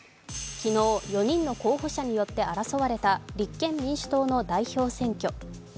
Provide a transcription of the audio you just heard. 昨日、４人の候補者によって争われた立憲民主党の代表選挙。